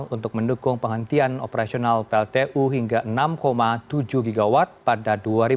untuk mendukung penghentian operasional pltu hingga enam tujuh gigawatt pada dua ribu dua puluh